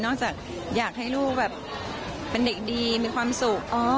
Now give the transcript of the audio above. จากอยากให้ลูกแบบเป็นเด็กดีมีความสุข